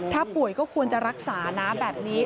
ถ้าป่วยก็ควรจะรักษานะแบบนี้